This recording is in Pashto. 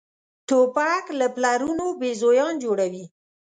توپک له پلارونو بېزویان جوړوي.